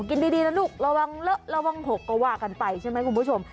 กินดีนะลูกระวังเลอะระวัง๖ก็ว่ากันไปใช่ไหมคุณผู้ชม